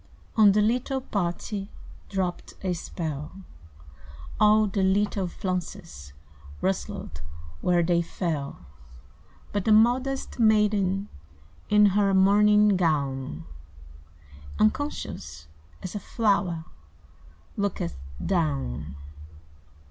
On the little party Dropped a spell; All the little flounces Rustled where they fell; But the modest maiden In her mourning gown, Unconscious as a flower, Looketh down.